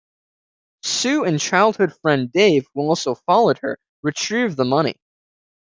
Sue and childhood friend Dave, who has also followed her, retrieve the money.